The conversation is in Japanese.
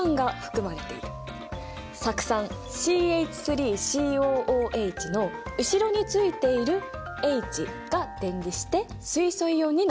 酢酸ＣＨＣＯＯＨの後ろについているＨが電離して水素イオンになるんだ。